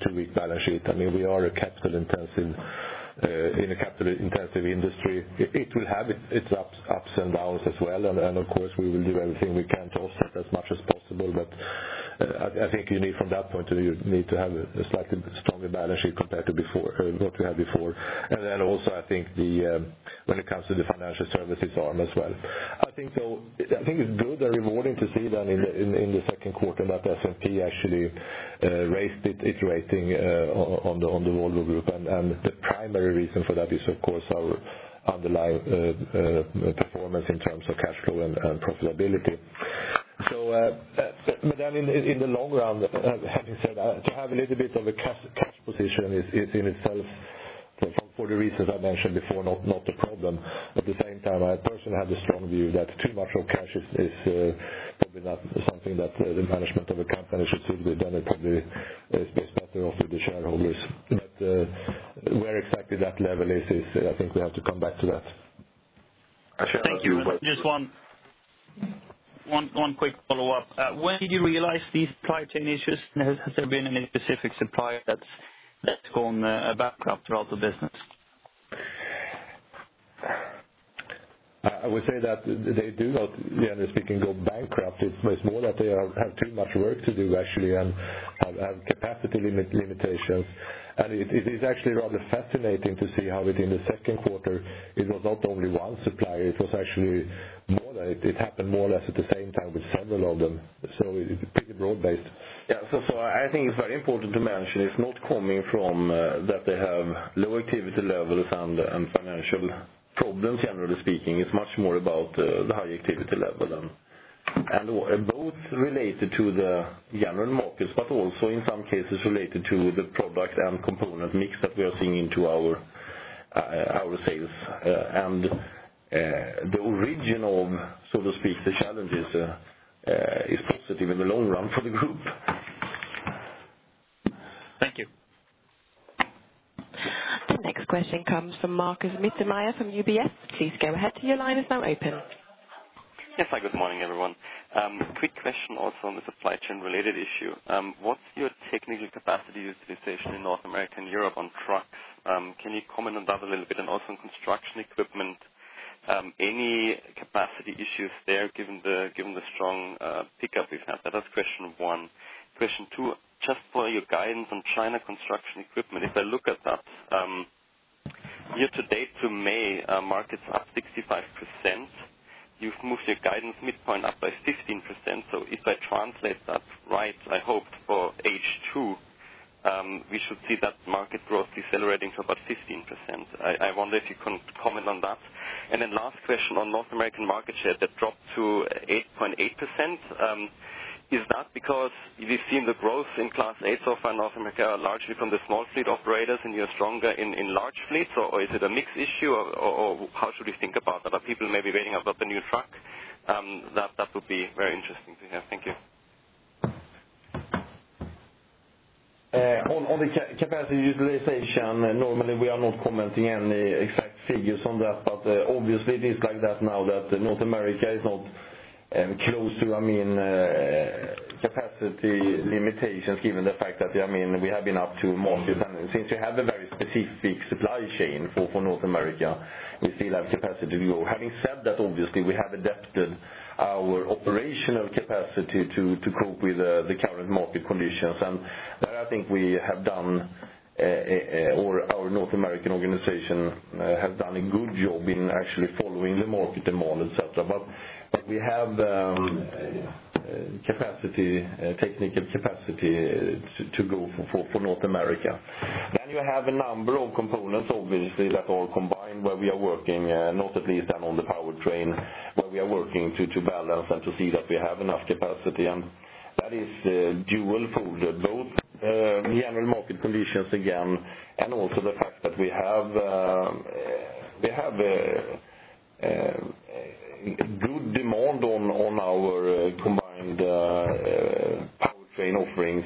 too weak balance sheet. We are in a capital-intensive industry. It will have its ups and downs as well. Of course, we will do everything we can to offset as much as possible. I think you need from that point of view, need to have a slightly stronger balance sheet compared to what we had before. Also I think when it comes to the financial services arm as well. I think it's good and rewarding to see then in the second quarter that S&P actually raised its rating on the Volvo Group. The primary reason for that is of course our underlying performance in terms of cash flow and profitability. In the long run, having said that, to have a little bit of a cash position is in itself, for the reasons I mentioned before, not a problem. At the same time, I personally have the strong view that too much cash is probably not something that the management of a company should sit with. It probably is better off with the shareholders. Where exactly that level is, I think we have to come back to that. Thank you. Just one quick follow-up. When did you realize these supply chain issues? Has there been any specific supplier that's gone bankrupt throughout the business? I would say that they do not, generally speaking, go bankrupt. It's more that they have too much work to do actually, and have capacity limitations. It is actually rather fascinating to see how within the second quarter it was not only one supplier, it was actually more. It happened more or less at the same time with several of them. It's pretty broad-based. Yeah. I think it's very important to mention it's not coming from that they have low activity levels and financial problems, generally speaking. It's much more about the high activity level and both related to the general markets, but also in some cases related to the product and component mix that we are seeing into our sales. The original, so to speak, the challenges, is positive in the long run for the group. Thank you. Next question comes from Marcus Admi Meyer from UBS. Please go ahead, your line is now open. Hi, good morning, everyone. Quick question also on the supply chain related issue. What's your technical capacity utilization in North America and Europe on trucks? Can you comment on that a little bit and also on construction equipment? Any capacity issues there given the strong pickup we've had? That was question one. Question two, just for your guidance on China construction equipment. If I look at that year to date to May, markets are up 65%. You've moved your guidance midpoint up by 15%. If I translate that right, I hope for H2, we should see that market growth decelerating to about 15%. I wonder if you can comment on that. Then last question on North American market share that dropped to 8.8%. Is that because we've seen the growth in Class 8 so far in North America largely from the small fleet operators, and you're stronger in large fleets, or is it a mix issue, or how should we think about that? Are people maybe waiting about the new truck? That would be very interesting to hear. Thank you. On the capacity utilization, normally we are not commenting any exact figures on that. Obviously it is like that now that North America is not close to capacity limitations, given the fact that we have been up to market. Since you have a very specific supply chain for North America, we still have capacity to go. Having said that, obviously, we have adapted our operational capacity to cope with the current market conditions. There, I have done, or our North American organization has done a good job in actually following the market demand, et cetera. We have technical capacity to go for North America. You have a number of components, obviously, that all combine where we are working, not at least on the powertrain, where we are working to balance and to see that we have enough capacity. That is dual folded, both the general market conditions again, and also the fact that we have a good demand on our combined powertrain offerings,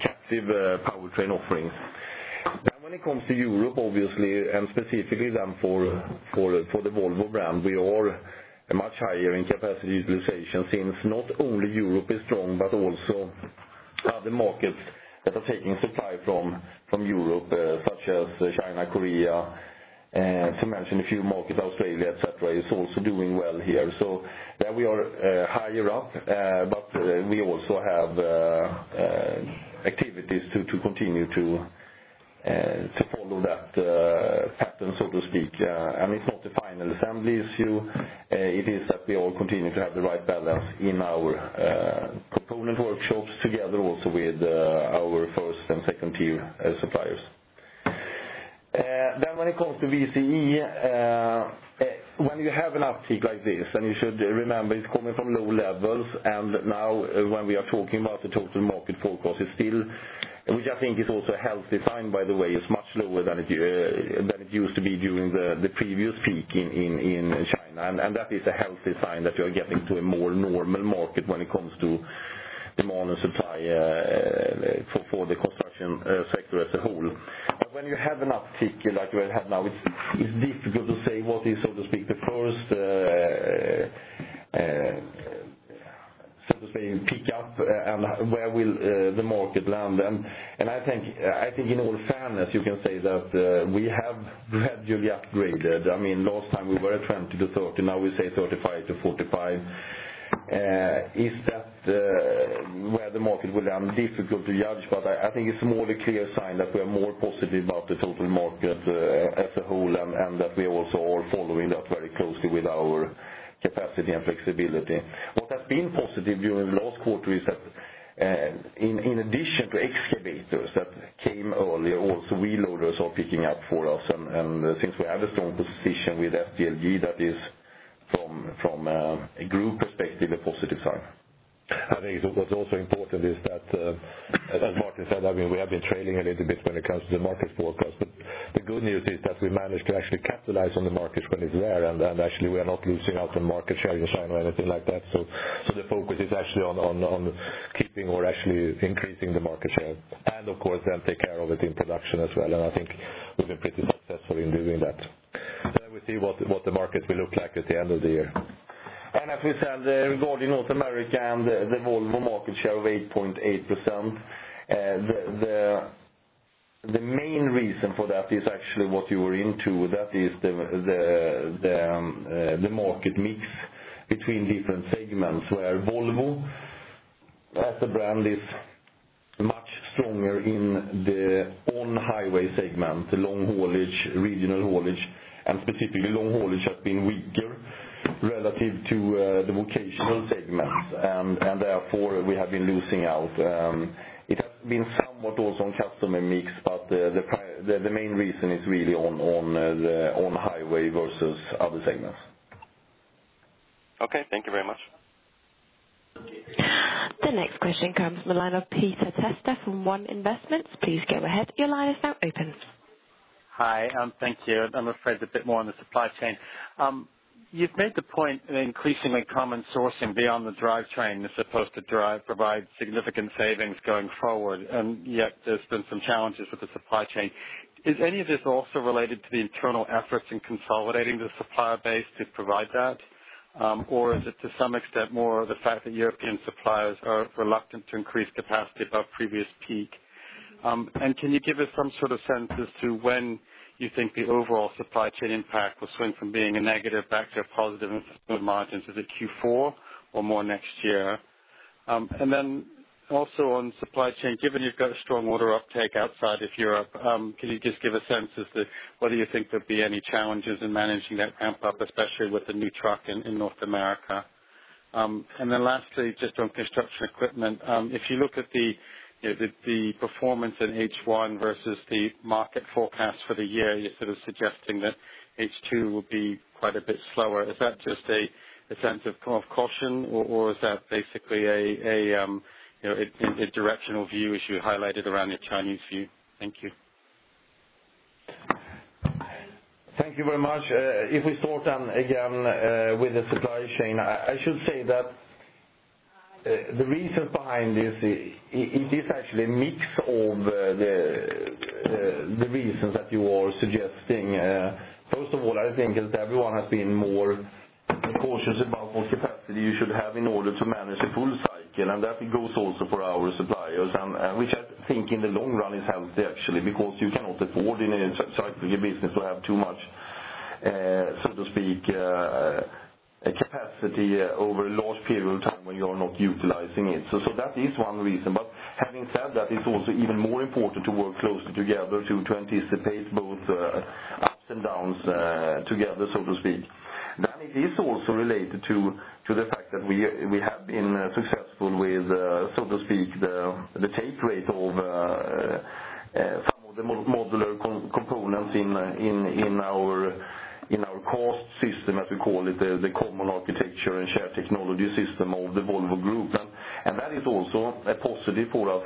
captive powertrain offerings. When it comes to Europe, obviously, and specifically then for the Volvo brand, we are much higher in capacity utilization since not only Europe is strong but also other markets that are taking supply from Europe, such as China, Korea, to mention a few markets, Australia, et cetera, is also doing well here. There we are higher up, but we also have activities to continue to follow that pattern, so to speak. It's not the final assembly issue, it is that we all continue to have the right balance in our component workshops together also with our first and second-tier suppliers. When it comes to VCE, when you have an uptake like this, and you should remember it's coming from low levels, and now when we are talking about the total market forecast is still, which I think is also a healthy sign, by the way, is much lower than it used to be during the previous peak in China. That is a healthy sign that you're getting to a more normal market when it comes to demand and supply for the construction sector as a whole. When you have an uptake like we have now, it's difficult to say what is, so to speak, the first pick up, and where will the market land. I think in all fairness, you can say that we have gradually upgraded. Last time we were at 20-30, now we say 35-45. Is that where the market will land? Difficult to judge, but I think it's more of a clear sign that we are more positive about the total market as a whole, and that we also are following that very closely with our capacity and flexibility. What has been positive during last quarter is that in addition to excavators that came earlier, also wheel loaders are picking up for us. Since we have a strong position with SDLG, that is from a Group perspective, a positive sign. I think what's also important is that, as Martin said, we have been trailing a little bit when it comes to the market forecast. The good news is that we managed to actually capitalize on the markets when it's there, and actually we are not losing out on market share in China or anything like that. The focus is actually on keeping or actually increasing the market share. Of course, then take care of it in production as well. I think we've been pretty successful in doing that. We see what the market will look like at the end of the year. As we said, regarding North America and the Volvo market share of 8.8%, the main reason for that is actually what you were into, that is the market mix between different segments where Volvo as a brand is much stronger in the on-highway segment, long haulage, regional haulage, and specifically long haulage has been weaker relative to the vocational segments. Therefore, we have been losing out. It has been somewhat also on customer mix, the main reason is really on the on-highway versus other segments. Okay, thank you very much. The next question comes from the line of Peter Testa from One Investments. Please go ahead. Your line is now open. Hi, thank you. I'm afraid a bit more on the supply chain. You've made the point that increasingly common sourcing beyond the drivetrain is supposed to provide significant savings going forward, and yet there's been some challenges with the supply chain. Is any of this also related to the internal efforts in consolidating the supplier base to provide that? Or is it to some extent more of the fact that European suppliers are reluctant to increase capacity above previous peak? Can you give us some sort of sense as to when you think the overall supply chain impact will swing from being a negative back to a positive in full margins? Is it Q4 or more next year? Also on supply chain, given you've got a strong order uptake outside of Europe, can you just give a sense as to whether you think there'd be any challenges in managing that ramp-up, especially with the new truck in North America? Lastly, just on construction equipment. If you look at the performance in H1 versus the market forecast for the year, you're sort of suggesting that H2 will be quite a bit slower. Is that just a sense of caution or is that basically a directional view as you highlighted around the Chinese view? Thank you. Thank you very much. If we start again with the supply chain, I should say that the reasons behind this is actually a mix of the reasons that you are suggesting. First of all, I think that everyone has been more cautious about what capacity you should have in order to manage a full cycle, and that goes also for our suppliers, which I think in the long run is healthy actually, because you cannot afford in a cyclical business to have too much, so to speak, capacity over a long period of time when you're not utilizing it. That is one reason. Having said that, it's also even more important to work closely together to anticipate both ups and downs together, so to speak. It is also related to the fact that we have been successful with, so to speak, the take rate of some of the modular components in our CAST system, as we call it, the common architecture and shared technology system of the Volvo Group. That is also a positive for us.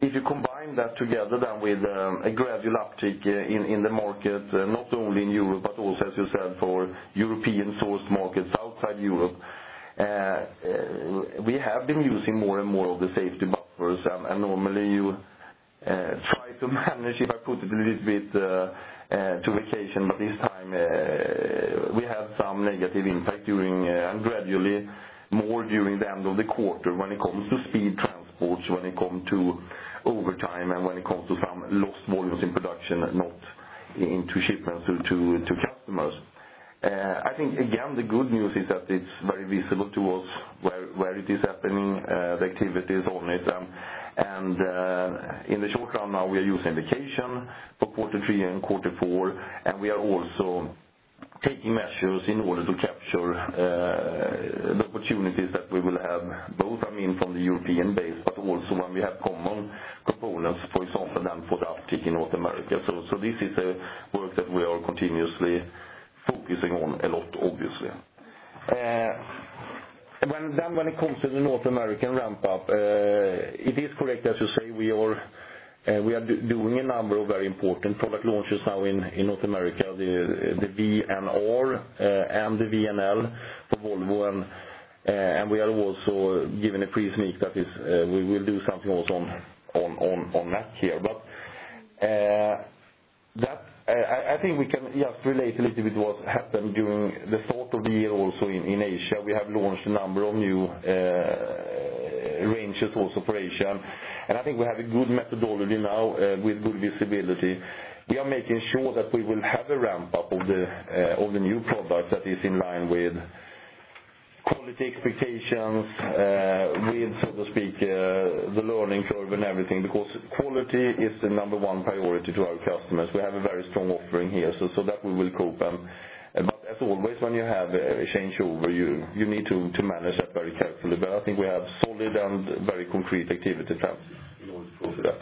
If you combine that together then with a gradual uptick in the market, not only in Europe, but also as you said, for European sourced markets outside Europe, we have been using more and more of the safety buffers. Normally you try to manage, if I put it a little bit to vacation, but this time, we had some negative impact during, and gradually more during the end of the quarter when it comes to speed transports, when it comes to overtime and when it comes to some lost volumes in production and not into shipments to customers. I think again, the good news is that it's very visible to us where it is happening, the activities on it. In the short run now we are using vacation for quarter three and quarter four, and we are also taking measures in order to capture the opportunities that we will have, both, I mean, from the European base, but also when we have common components, for example, then for the uptick in North America. This is a work that we are continuously focusing on a lot, obviously. When it comes to the North American ramp up, it is correct, as you say, we are doing a number of very important product launches now in North America, the VNR, and the VNL for Volvo, and we are also given a pre-sneak that we will do something also on that here. I think we can just relate a little bit what happened during the start of the year also in Asia. We have launched a number of new ranges also for Asia, and I think we have a good methodology now with good visibility. We are making sure that we will have a ramp up of the new product that is in line with quality expectations, with, so to speak, the learning curve and everything, because quality is the number one priority to our customers. We have a very strong offering here. That we will cope. As always, when you have a changeover, you need to manage that very carefully. I think we have solid and very concrete activity plans in order to do that.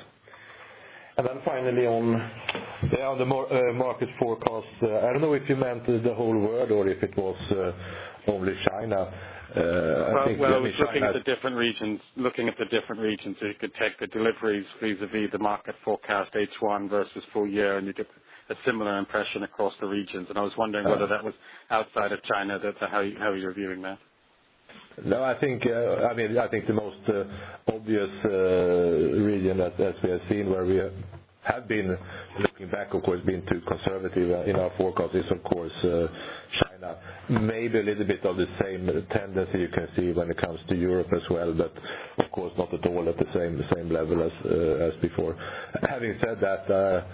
Finally on the other market forecast, I don't know if you meant the whole world or if it was only China. Well, looking at the different regions, if you take the deliveries vis-a-vis the market forecast H1 versus full year, you get a similar impression across the regions. I was wondering whether that was outside of China, how you're viewing that. No, I think the most obvious region that we have seen where we have been looking back, of course, being too conservative in our forecast is of course China. Maybe a little bit of the same tendency you can see when it comes to Europe as well, but of course not at all at the same level as before. Having said that,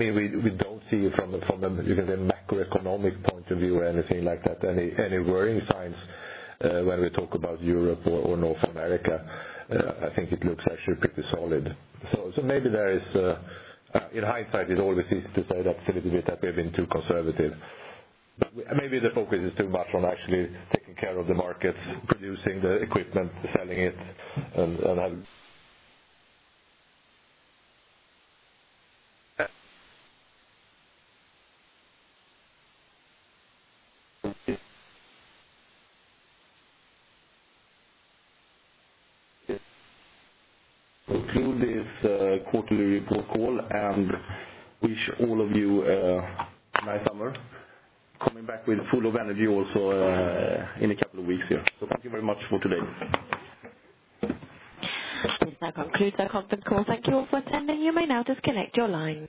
we don't see from the, you can say macroeconomic point of view or anything like that, any worrying signs when we talk about Europe or North America. I think it looks actually pretty solid. Maybe there is, in hindsight it always easy to say that a little bit that we've been too conservative. Maybe the focus is too much on actually taking care of the markets, producing the equipment, selling it, and conclude this quarterly report call and wish all of you a nice summer. Coming back full of energy also in a couple of weeks here. Thank you very much for today. That concludes our conference call. Thank you all for attending. You may now disconnect your line.